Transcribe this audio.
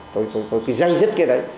tôi cứ dây dứt cái đấy